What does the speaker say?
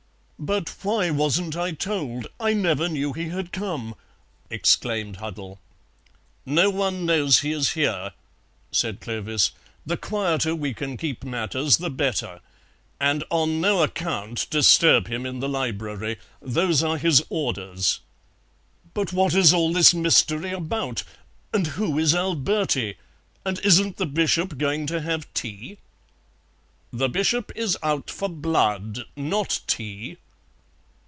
"But why wasn't I told? I never knew he had come!" exclaimed Huddle. "No one knows he is here," said Clovis; "the quieter we can keep matters the better. And on no account disturb him in the library. Those are his orders." "But what is all this mystery about? And who is Alberti? And isn't the Bishop going to have tea?" "The Bishop is out for blood, not tea."